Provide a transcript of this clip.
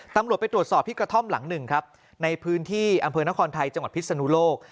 ตำรวจไปตรวจสอบที่กระท่อมหลังหนึ่งครับในพื้นที่อำเภอนครไทยจังหวัดพิศนุโลก